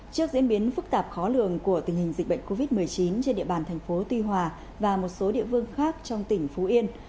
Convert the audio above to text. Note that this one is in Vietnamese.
trước diễn biến phức tạp khó lường của tình hình dịch bệnh covid một mươi chín trên địa bàn thành phố tuy hòa và một số địa phương khác trong tỉnh phú yên